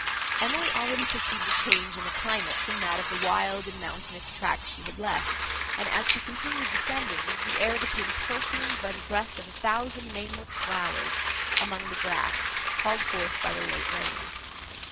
Emily already perceived a change in the climate, from that of the wild and mountainous tract she had left; and, as she continued descending, the air became perfumed by the breath of a thousand nameless flowers among the grass, called forth by the late rain.